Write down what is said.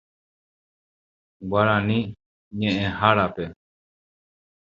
Guarani ñe'ẽhárape.